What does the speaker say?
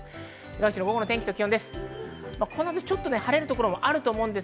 午後の天気と気温です。